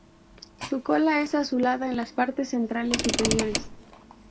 Su cola es azulada en las partes centrales superiores.